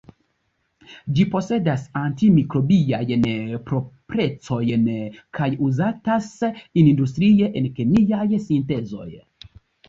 Ĝi posedas anti-mikrobiajn proprecojn kaj uzatas industrie en kemiaj sintezoj.